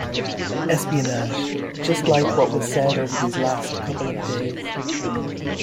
Espionage just like what was said over these last couple of days.